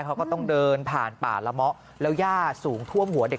เขาก็ต้องเดินผ่านป่าละเมาะแล้วย่าสูงท่วมหัวเด็ก